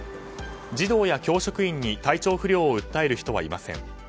児童や教職員に体調不良を訴える人はいません。